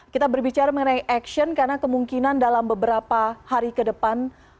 kita berbicara mengenai action karena kemungkinan dalam beberapa hari ke depan